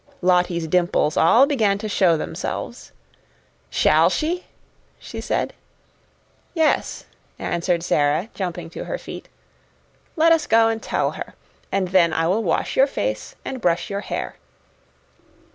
Lottie's dimples all began to show themselves. "Shall she?" she said. "Yes," answered Sara, jumping to her feet. "Let us go and tell her. And then I will wash your face and brush your hair."